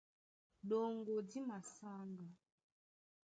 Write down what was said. Ɗoŋgo dí masáŋga.